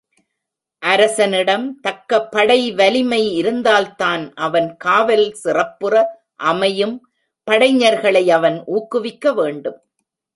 அரசனிடம் தக்க படைவலிமை இருந்தால்தான் அவன் காவல் சிறப்புற அமையும் படைஞர்களை அவன் ஊக்குவிக்க வேண்டும்.